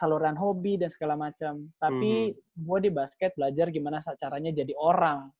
saluran hobi dan segala macam tapi gue di basket belajar gimana caranya jadi orang